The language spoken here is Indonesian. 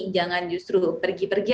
jangan justru pergi pergi